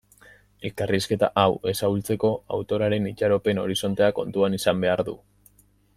Elkarrizketa hau ez ahultzeko, autorearen itxaropen-horizontea kontuan izan behar du.